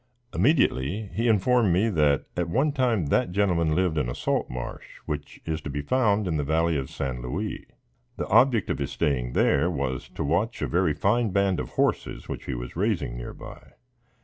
Immediately, he informed me that at one time, that gentleman lived in a salt marsh, which is to be found in the valley of San Louis. The object of his staying there was to watch a very fine band of horses which he was raising near by.